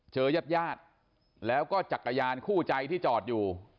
ยาดแล้วก็จักรยานคู่ใจที่จอดอยู่